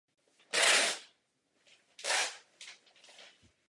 Věnoval se hudbě a hře na bicí.